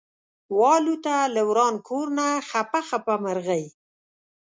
والوته له وران کور نه خپه خپه مرغۍ